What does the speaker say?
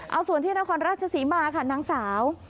เอาส่วนที่นครราชศรีมาค่ะนางสาว